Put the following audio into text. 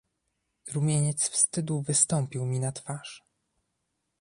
"Rumieniec wstydu wystąpił mi na twarz."